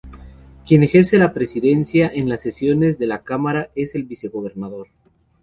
Quien ejerce la presidencia en las sesiones de la Cámara es el Vicegobernador.